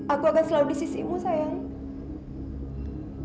aku akan selalu di sisimu sayang